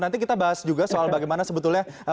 nanti kita bahas juga soal bagaimana sebetulnya